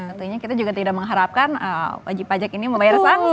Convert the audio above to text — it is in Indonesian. tentunya kita juga tidak mengharapkan wajib pajak ini membayar sanksi